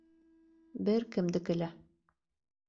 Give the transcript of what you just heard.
Бер кемдеке лә.